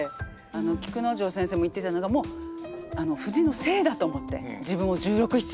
菊之丞先生も言ってたのがもう藤の精だと思って自分を１６１７の。